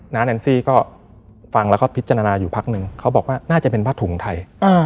แอนซี่ก็ฟังแล้วก็พิจารณาอยู่พักนึงเขาบอกว่าน่าจะเป็นผ้าถุงไทย